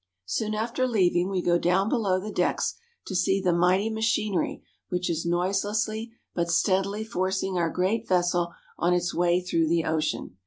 Soon after leaving, we go down below the decks to see the mighty machinery which is noiselessly but steadily forcing our great vessel on its way through the ocean.